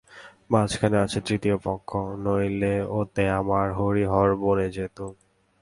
মাঝখানে আছে তৃতীয় পক্ষ, নইলে ওতে আমাতে হরিহর বনে যেতুম।